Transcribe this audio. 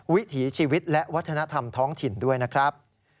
วิถีชีวิตและวัฒนธรรมท้องถิ่นด้วยนะครับ